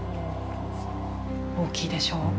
大きいでしょ？